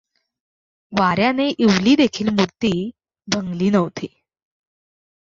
वाऱ्याने इवली देखील मूर्ती भंगली नव्हती.